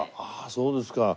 そうですか。